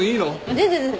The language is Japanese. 全然全然。